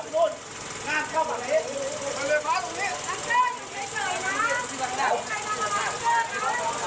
นอนนอนหมอบแล้วได้สติแล้วเดี๋ยวน้ำจัดเข้าน้ำจัดเข้าน้ำจัดเข้า